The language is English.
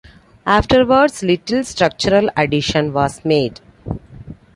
Afterwards little structural addition was made.